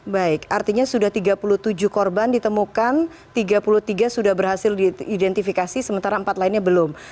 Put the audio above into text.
baik artinya sudah tiga puluh tujuh korban ditemukan tiga puluh tiga sudah berhasil diidentifikasi sementara empat lainnya belum